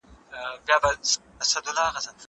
زه مخکي ليک لوستی و!!